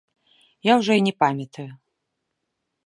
Я ўжо і не памятаю.